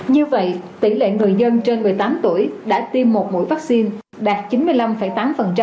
như vậy tỷ lệ người dân trên một mươi tám tuổi đã tiêm một mũi vaccine đạt chín mươi năm tám